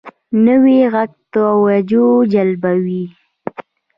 نوی غږ توجه جلبوي